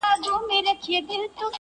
په حرامو سړی کله نه مړېږي,